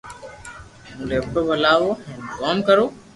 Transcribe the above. ھون ليپ ٽاپ ھلاو ھين ڪوم ڪرو